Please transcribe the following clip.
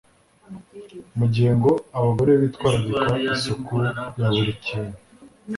Mugihe ngo abagore bitwararika isuku ya buri kintu